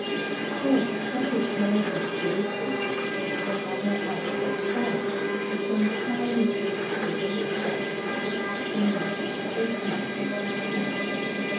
Oh! what a joyful day 'twill be For mother and for son, When smiling looks they both shall see Beneath the smiling sun.